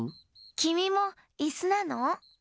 きみもいすなの？